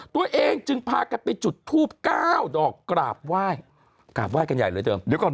ตัวเองจึงพากันไปจุดทูบเก้าดอกกราบไหว้กราบไห้กันใหญ่เลยเดิมเดี๋ยวก่อน